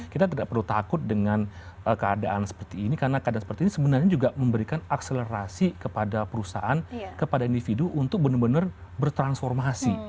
kita tidak perlu takut dengan keadaan seperti ini karena keadaan seperti ini sebenarnya juga memberikan akselerasi kepada perusahaan kepada individu untuk benar benar bertransformasi